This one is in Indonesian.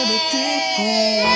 yang ini kompornya